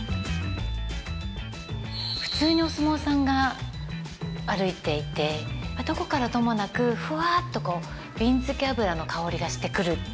普通にお相撲さんが歩いていてどこからともなくフワっとこうびんつけ油の香りがしてくる。